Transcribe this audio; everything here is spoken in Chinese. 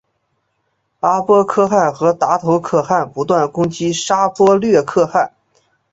阿波可汗和达头可汗不断攻击沙钵略可汗。